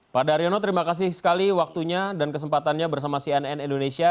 pak daryono terima kasih sekali waktunya dan kesempatannya bersama cnn indonesia